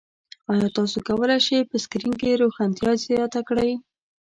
ایا تاسو کولی شئ په سکرین کې روښانتیا زیاته کړئ؟